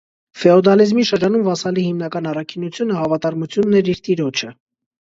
Ֆեոդալիզմի շրջանում վասալի հիմնական առաքինությունը հավատարմությունն էր իր տիրոջը։